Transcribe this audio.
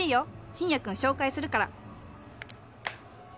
真也くん紹介するから！」